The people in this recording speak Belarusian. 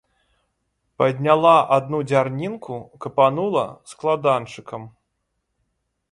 Падняла адну дзярнінку, капанула складанчыкам.